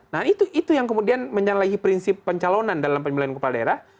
nah itu yang kemudian menyalahi prinsip pencalonan dalam pemilihan kepala daerah